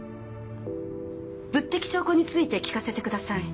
物的証拠について聞かせてください。